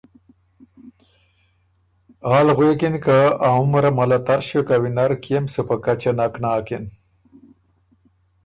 آل غوېکِن که ا عُمَرَه مه له تر ݭیوک هۀ وینر، کيې م سُو په کچه نک ناکِن“